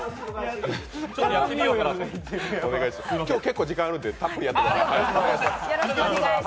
今日、結構時間があるので、たっぷりやってください。